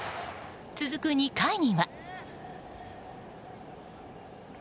続く２回には。